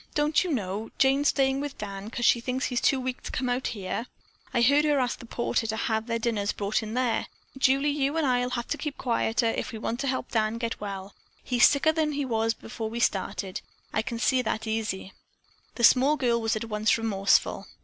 Don't you know, Jane's staying with Dan 'cause she thinks he's too weak to come out here? I heard her ask the porter to have their dinners brought in there. Julie, you and I'll have to keep quieter if we want to help Dan get well. He's sicker than he was when we started. I can see that easy." The small girl was at once remorseful.